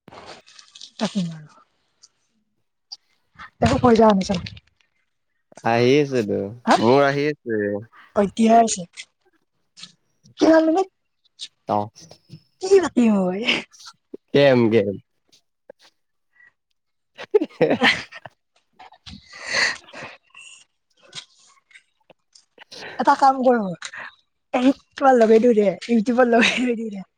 [unintelligible] আহি আছে হা [unintelligible] মোৰ আহি আছে। [unintelligible] কিমান মানে অ। [unintelligible] গেম-গেম। [unintelligible] [inaudible] এটা কাম কৰো, [unintelligible] লগাই দিওঁ দে, ইউটিউবত [unintelligible]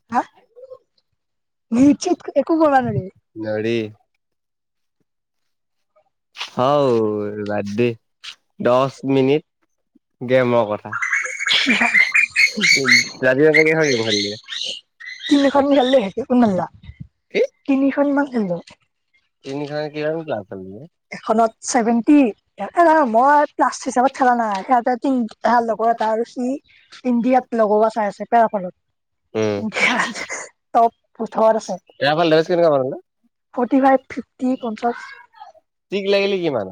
[unintelligible] নোৱাৰী। [unintelligible] দশ মিনিটত গেমৰ কথা। [unintelligible] [unintelligible] কি তিনিখনমান খেলিলে। তিনিখন কিমান ক্লাছ হ'লগে? এখনত ছেভেন্টি এ মই প্লাছ হিচাপত নাই তি ভাল লগৰ এটা আৰু সি। ইণ্ডিয়াত লগোৱা চাই আছে বেয়া পালোঁ উম, ইণ্ডিয়াত টপ। আছে ৰাফাল ডেমেজ কেনেকুৱা মাৰিলে? ফৰ্টি, ফিফটি, পঞ্চাশ। ঠিক লাগিলি কিমান?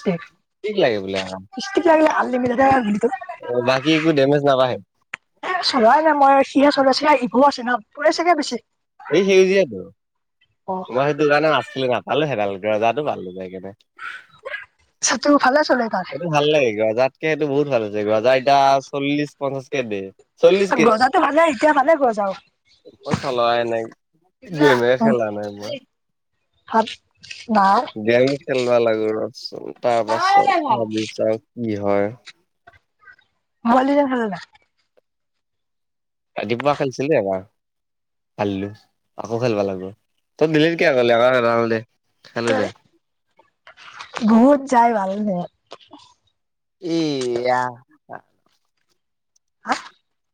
ষ্টিক কি লাগে বোলে আহ? ষ্টিক লাগিলে আনলিমিটেড বুলি বাকী একো ডেমেজ নহয়। এ চলাই নাই মই সিহে চলাইছিলে ই'গ আছে ন? পৰে চাগে পিছে। [inaudible] এই সেউজীয়াটো মই সেইটো কাৰণে নাছিলোঁ নাপালো সেইডাল গজাটো পালোঁ যাই কেনে। তাৰ সেইটো ভাল লাগে গজাতকে এইটো বহুত ভাল হৈছে গজা এতিয়া চল্লিশ পঞ্চাশ। কে দিয়ে চল্লিশ কে। তাতো ভালে এতিয়া ভালে ঘৰ যাওঁ। মই চলোৱাই নাই গেমে খেলা নাই মই। হাত। গেম খেলবা লাগে ৰচোন তাৰপাছত ভাবি চাও কি হয়? [inaudible] ৰাতিপুৱা খেলিছিলে এবাৰ হাৰলো আকৌ খেলিবা লাগিব। তই দিল্লীৰ কিয় গলি তই বহুত যায ভালেই লাগে। এইয়া। [unintelligible]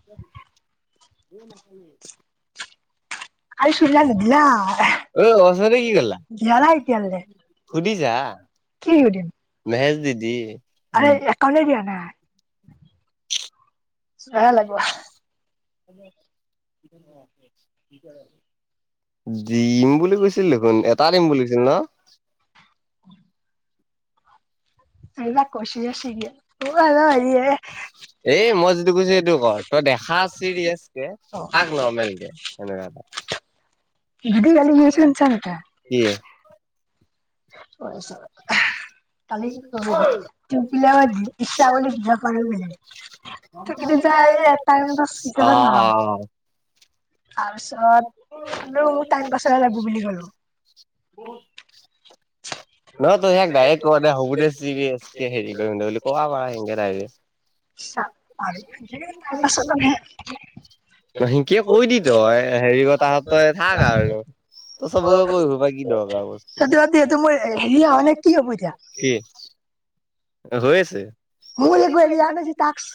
[unintelligible] [unintelligible] ঐ অথনি সুধিছা কি কৰিলা কি সুধি সুধিম যা আ মেছেজ দি দি কালিৰ দিয়া নাই। বেয়া লাগিব [unintelligible] দিম বুলি কৈছে। ছিল দেখোন এটা দিম বুলি কৈছিল ন'। এইবিলাক কৈছো যে চিৰিয়াল অ হেল্ল' হেৰি এ এ ম‌ই যিটো কৈছো এইটোৰ কৰ। তই দেখা চিৰিয়াছ কে থাক নৰ্মেল কে হেনেকুৱা এটা। [unintelligible] কি? [unintelligible] [inaudible] অ অ [inaudible] তাৰ পিছত কলো টাইম পাছৰে কাৰণে লাগবো বুলি কলোঁ। নহয় তই ইয়াক ডাইৰেক কে দে হ'ব বুলি দে যি হে কৰি বুলি কব পাৰা সেকে ডাইৰেক। [unintelligible] হেন কে কৈ দি তই হেৰি ক তাক থাক আৰু। ত‌ই চবকে কৈ ফুৰিবা কি দৰকাৰ কচোন। সেইটো টো মই হেৰি কি হ'ব এতিয়া? কি? হয় আছে। মোৰ একো হেৰি অহা নাই যে টাস্ক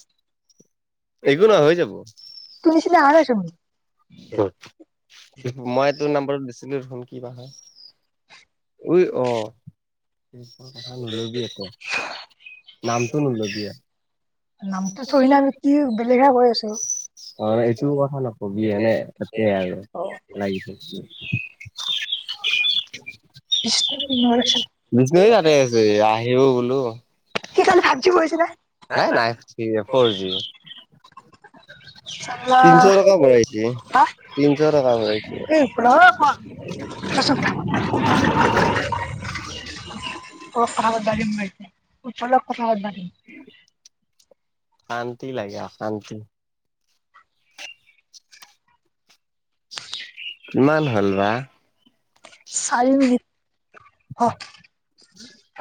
একো নহয় হৈ যাব। তোৰ নিচিনা অহা নাইচোন মই তোৰ নম্বাৰৰত দিছিলোয়ে দেখোন কিবা এটা। উই অ'। নামটো নোইলবিয়ে। নামটো [unintelligible] আমি কি বেলেগহে কৈ আছো। অ' এইটো কথা নকবি এনে সেতুৱে আৰু [unintelligible] বিষ্ণু এই তাতে আছে আহিব বোলোঁ। কি কালি ভাবজি গৈছে না নাই, নাই, [unintelligible] ফৰ জি। তিনছ টকা ভিৰাইছি। হা তিনিছ টকা ভৰাইছে। [inaudible] এই কথা অ' ভাল ঘৰৰ [unintelligible] শান্তি লাগে শান্তি। কিমান হ'ল বা। চাৰি মিনিট হা।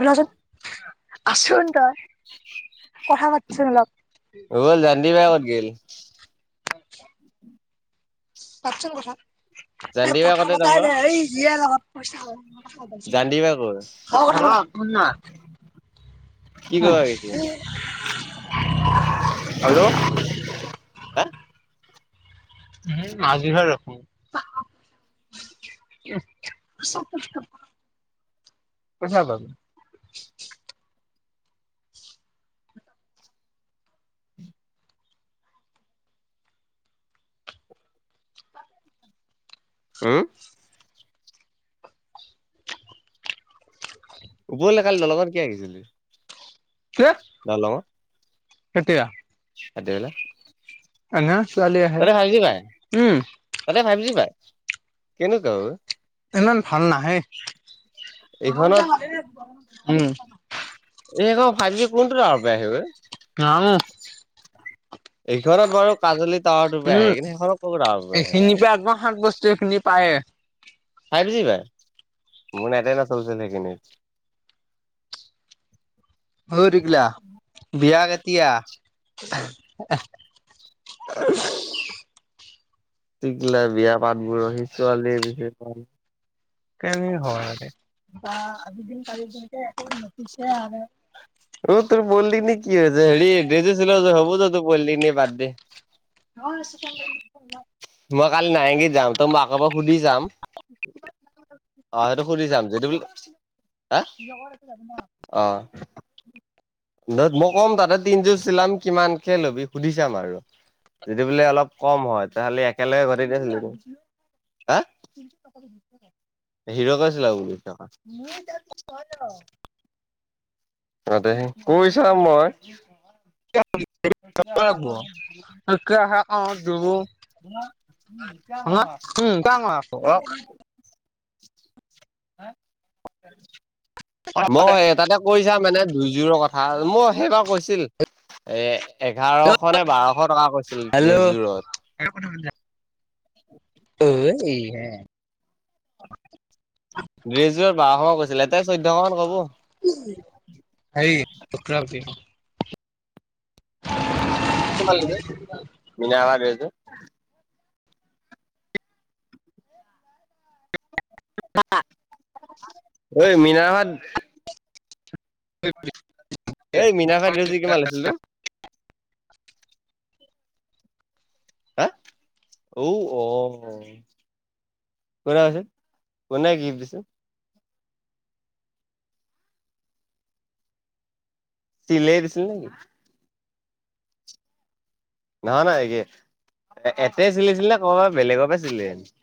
ৰচুন, আচোন তই। অ' কথা পাতচোন অলপ [unintelligible] বাই ক'ত গেল? বাথৰুম ক'ত হা? এ জানদী বাই কথা ক'ত পতাই তোমাৰ দে জানিবা কৰ [unintelligible] [unintelligible] [inaudible] কৰিব গৈছিলি [unintelligible] হেল্ল' [unintelligible] [unintelligible] পইচা ক'ত? উম, উপৰলে কালি দলঙত কিয়া গেছেলি? কেহ? ইয়াৰ লগ ভাতিবেলা। এনে ছোৱালী আহে [unintelligible] কি নাই? উম তাতে ফাইভ জি পাই কেনেকুৱা অই। ইমান ভাল নাহে। এইখনত উম, ফাভ জি কোনটো নানো [unintelligible] এইখনত বাৰু পাজলি তাৱাৰ টো পাই আহে উম এইখিনিৰ পৰা একদম সাত বস্তু এইখিনি পায়ে [unintelligible] ফাইভ জি পায় মোৰ নেটে নচলছিল সেইখিনিত। হৈ থাকিলা বিয়া কেতিয়া [unintelligible] [inaudible] টিগলা বিয়া পাতবোৰহি ছোৱালীয়ে বিচাৰি পোৱা নাই। কেনে উম, হয় ইতা আজি [unintelligible] দিংটে একবাৰে নটিচে আনে। অ' তোৰ বল দি নেক কি হয় যে এ হেৰি ড্ৰেজে চিলোৱা যাই হব যা তোৰ পোৱালিটি এনে বাদ দে। মই কালি নাৰেংগী যাম তো মাক [unintelligible] সুধি যাম। [inaudible] অ'সেইটো সুধি চাম যে তুমি আহ, অ। নহ, মই ক'ম তাতে তিনিযুৰ চিলাম কিমানকে লবি সুধি চাম আৰু। যদি বোলে অলপ কম হয় তেহলি একেলগে গটেই ড্ৰেছ দি দিম আহ [inaudible] হিৰকে [unintelligible] অ', দে কৈ চাম মই। [unintelligible] [unintelligible] কিয় নহয়। মই এটাতে কৈছা মানে দুইযোৰৰ কথা মোৰ সেইবাৰ কৈছিল এ এঘাৰশ নে বাৰশ টকা কৈছিল হেল্ল' ড্ৰেছযোৰত। [unintelligible] অ', এই হে। ড্ৰেছজোৰত বাৰশ মান কৈছিলে এতিয়া চৈধ্যশ মান ক'ব। [unintelligible] হেৰি [unintelligible] [inaudible] [unintelligible] [unintelligible] ঐ মীনা [unintelligible] এই মীনাবাই ড্ৰেছজোৰ কিমান লৈছিল তোৰ? হা? ঔ অ'। [unintelligible] কোনে গিফ্ট দিছিল। তিলে দিছিল নেকি? নহয় নহ এতে চিলিছিল নে ক'ৰবা বেলেগৰ পৰা চিলি আনিছিল।